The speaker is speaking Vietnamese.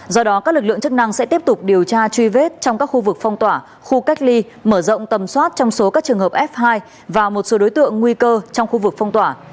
do đó các lực lượng chức năng sẽ tiếp tục điều tra truy vết trong các khu vực phong tỏa khu cách ly mở rộng tầm soát trong số các trường hợp f hai và một số đối tượng nguy cơ trong khu vực phong tỏa